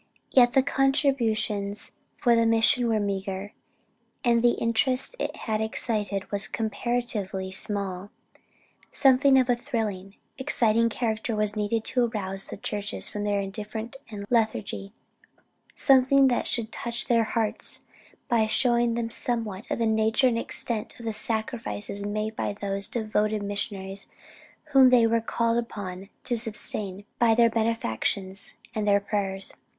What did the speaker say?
yet the contributions for the mission were meagre, and the interest it had excited was comparatively small. Something of a thrilling, exciting character was needed to arouse the churches from their indifference and lethargy; something that should touch their hearts, by showing them somewhat of the nature and extent of the sacrifices made by those devoted missionaries whom they were called upon to sustain by their benefactions and their prayers.